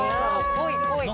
濃い濃い。